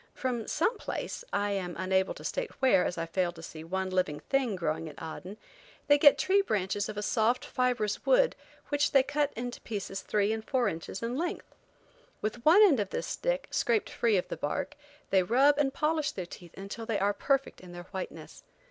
From some place, I am unable to state where, as I failed to see one living thing growing at Aden, they get tree branches of a soft, fibrous wood which they cut into pieces three and four inches in length. With one end of this stick, scraped free of the bark, they rub and polish their teeth until they are perfect in their whiteness.